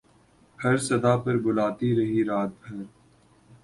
ہر صدا پر بلاتی رہی رات بھر